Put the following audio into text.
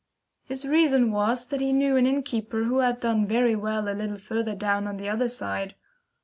His reason was that he knew an innkeeper who had done very well a little further down on the other side.